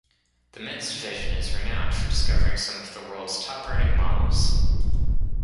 The men's division is renowned for discovering some of the world's top earning models.